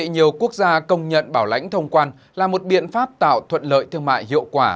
nhiều quốc gia công nhận bảo lãnh thông quan là một biện pháp tạo thuận lợi thương mại hiệu quả